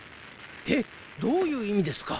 えっどういういみですか？